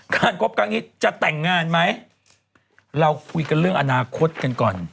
คบครั้งนี้จะแต่งงานไหมเราคุยกันเรื่องอนาคตกันก่อน